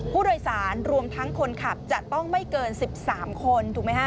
ผู้โดยสารรวมทั้งคนขับจะต้องไม่เกิน๑๓คนถูกไหมฮะ